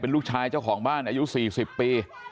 ลูกชายเจ้าของบ้านอายุ๔๐ปี